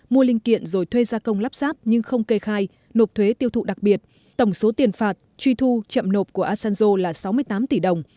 mua linh kiện rồi thuê gia công lắp sáp nhưng không kê khai nộp thuế tiêu thụ đặc biệt tổng số tiền phạt truy thu chậm nộp của asanzo là sáu mươi tám tỷ đồng